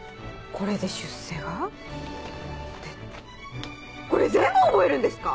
これで出世が？ってこれ全部覚えるんですか？